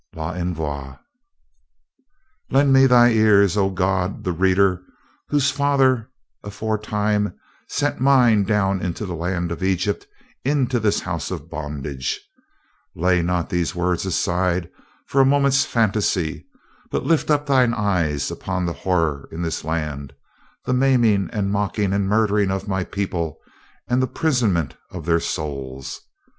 L'ENVOI Lend me thine ears, O God the Reader, whose Fathers aforetime sent mine down into the land of Egypt, into this House of Bondage. Lay not these words aside for a moment's phantasy, but lift up thine eyes upon the Horror in this land; the maiming and mocking and murdering of my people, and the prisonment of their souls.